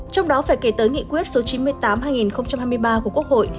trong đó phải kể tới nghị quyết số chín mươi tám hai nghìn hai mươi ba của quốc hội